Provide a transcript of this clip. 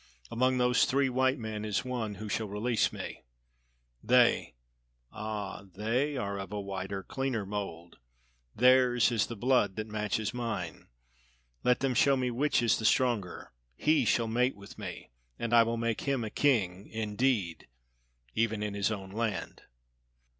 Among those three white men is one who shall release me. They ah, they are of a whiter, cleaner mold! Theirs is the blood that matches mine! Let them show me which is the stronger. He shall mate with me, and I will make him a king indeed, even in his own land."